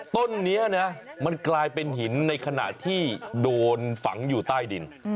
ต้นนี้นะมันกลายเป็นหินในขณะที่โดนฝังอยู่ใต้ดิน